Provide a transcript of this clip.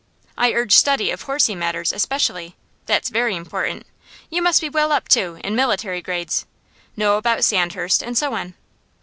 I urge study of horsey matters especially; that's very important. You must be well up, too, in military grades, know about Sandhurst, and so on.